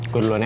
gue duluan ya